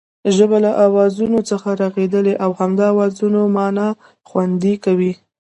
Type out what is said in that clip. ژبه له آوازونو څخه رغېدلې او همدا آوازونه مانا خوندي کوي